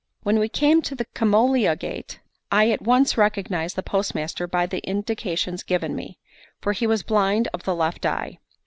When we came to the Camollia gate, I at once recognised the postmaster by the indications given me; for he was blind of the left eye.